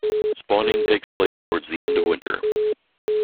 Spawning takes place towards the end of winter.